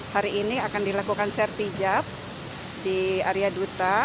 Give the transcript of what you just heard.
hari ini akan dilakukan sertijab di area duta